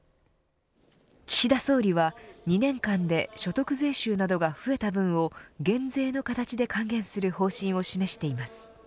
岸田総理は２年間で所得税収などが増えた分を減税の形で還元する方針を示しています。